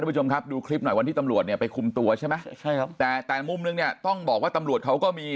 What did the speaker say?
ผู้ชมครับดูคลิปหน่อยวันที่ตำรวจเนี่ยไปคุมตัวใช่ไหมใช่ครับแต่แต่มุมนึงเนี่ยต้องบอกว่าตำรวจเขาก็มี